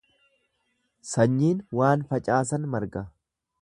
Sanyiin waan facaasan marga.